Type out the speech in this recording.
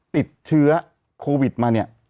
ติดเชื้อโควิดมาเนี่ย